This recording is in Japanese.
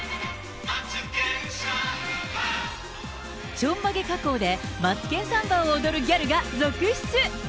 ちょんまげ加工でマツケンサンバを踊るギャルが続出。